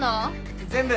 全部。